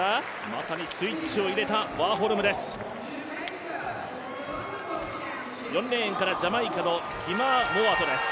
まさにスイッチを入れたワーホルムです。